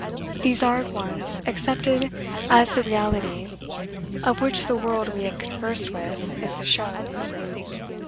These are at once accepted as the reality, of which the world we have conversed with is the show.